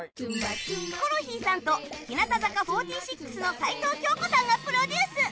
ヒコロヒーさんと日向坂４６の齊藤京子さんがプロデュース